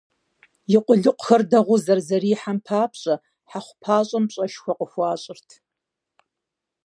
И къулыкъухэр дэгъуэу зэрызэрихьэм папщӏэ, Хьэхъупащӏэм пщӏэшхуэ къыхуащӏырт.